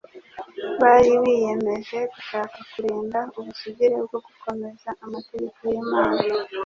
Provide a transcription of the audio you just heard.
bari biyemeje gushaka kurinda ubusugire bwo gukomeza amategeko y'Imana;